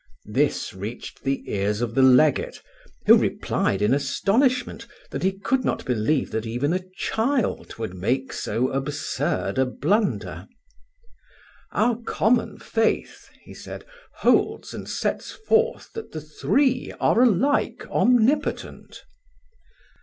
This reached the ears of the legate, who replied in astonishment that he could not believe that even a child would make so absurd a blunder. "Our common faith," he said, "holds and sets forth that the Three are alike omnipotent."